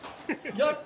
やった！